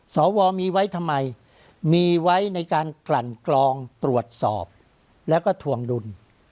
สวมีไว้ทำไมมีไว้ในการกลั่นกลองตรวจสอบแล้วก็ทวงดุล